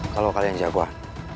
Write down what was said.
kalau kalian jagoan